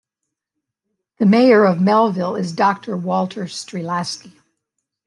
The mayor of Melville is Doctor Walter Streelasky.